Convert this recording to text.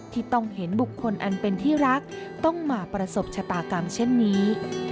ที่ต้องเห็นบุคคลอันเป็นที่รักต้องมาประสบชะตากรรมเช่นนี้